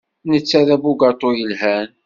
Netta d abugaṭu yelhan.